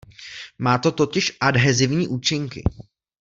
Má to totiž adhezivní účinky.